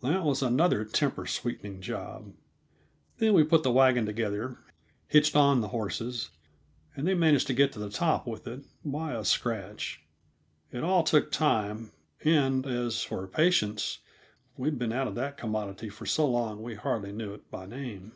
That was another temper sweetening job. Then we put the wagon together, hitched on the horses, and they managed to get to the top with it, by a scratch. It all took time and, as for patience, we'd been out of that commodity for so long we hardly knew it by name.